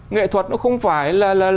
nghệ thuật nó không phải